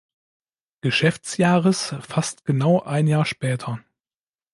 Geschäftsjahres fast genau ein Jahr später.